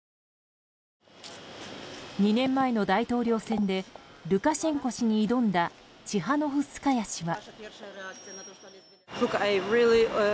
２年前の大統領選でルカシェンコ氏に挑んだチハノフスカヤ氏は。